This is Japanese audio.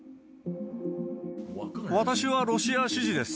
私はロシア支持です。